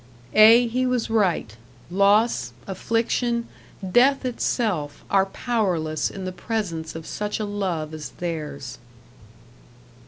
Ay, he was right. Loss, affliction, death itself, are powerless in the presence of such a love as theirs.